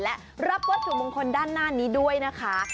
และรับวัตถุมงคลด้านหน้านี้ด้วยนะคะ